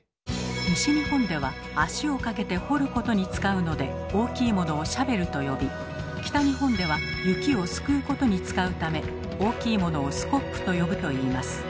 西日本では足をかけて「掘る」ことに使うので大きいものをシャベルと呼び北日本では雪を「すくう」ことに使うため大きいものをスコップと呼ぶといいます。